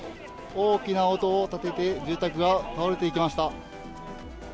大きな音を立てて住宅が倒れていきました。